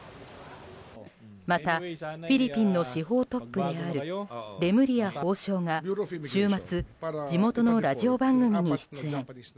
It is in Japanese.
また、フィリピンの司法トップであるレムリヤ法相が週末、地元のラジオ番組に出演。